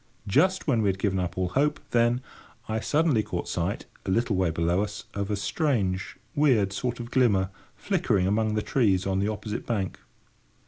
Just when we had given up all hope, then, I suddenly caught sight, a little way below us, of a strange, weird sort of glimmer flickering among the trees on the opposite bank.